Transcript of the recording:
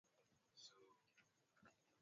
la mtazamo wa kupendeza unapaswa kupiga picha